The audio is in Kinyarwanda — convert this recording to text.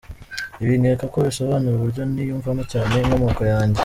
Ibi nkeka ko bisobanura uburyo niyumvamo cyane inkomoko yanjye.